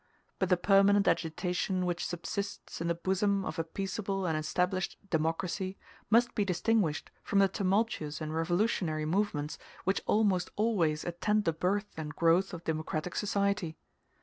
But the permanent agitation which subsists in the bosom of a peaceable and established democracy, must be distinguished from the tumultuous and revolutionary movements which almost always attend the birth and growth of democratic society.